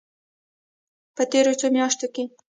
په تېرو څو میاشتو کې